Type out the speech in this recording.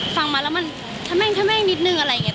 ฟังมาแล้วมันทะแม่งนิดนึงอะไรอย่างนี้